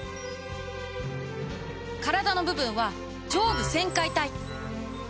体の部分は上部旋回体。